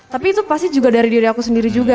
tapi itu pasti juga dari diri aku sendiri juga